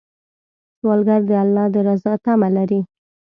سوالګر د الله د رضا تمه لري